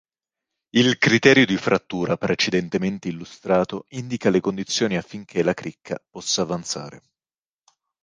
Il criterio di frattura precedentemente illustrato indica le condizioni affinché la cricca possa avanzare.